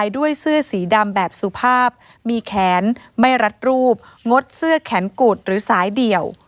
ด้วยเสื้อสีดำแบบสุภาพมีแขนไม่รัดรูปงดเสื้อแขนกุดหรือสายเดี่ยว